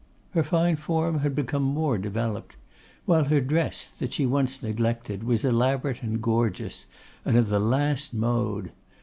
Her fine form had become more developed; while her dress, that she once neglected, was elaborate and gorgeous, and of the last mode.